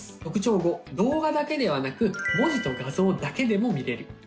特徴５動画だけではなく文字と画像だけでも見れる。